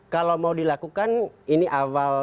kalau mau dilakukan ini awal